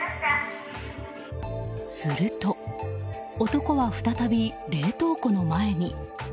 すると、男は再び冷凍庫の前に。